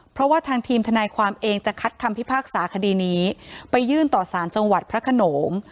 เพราะว่าทางทีมทนายความเองจะคัดคำพิพากษาคดีนี้ไปยื่นต่อสารจังหวัดพระขนง